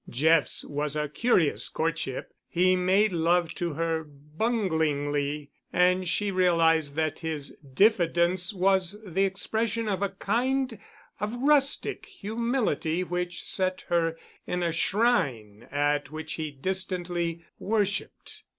Jeff's was a curious courtship. He made love to her bunglingly, and she realized that his diffidence was the expression of a kind of rustic humility which set her in a shrine at which he distantly worshipped.